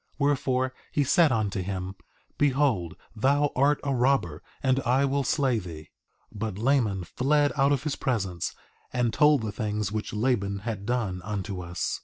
Wherefore, he said unto him: Behold thou art a robber, and I will slay thee. 3:14 But Laman fled out of his presence, and told the things which Laban had done, unto us.